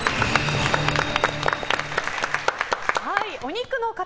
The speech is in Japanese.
お肉の塊